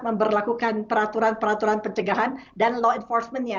memperlakukan peraturan peraturan pencegahan dan law enforcement nya